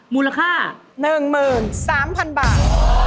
มูลค่า๑๓๐๐๐บาท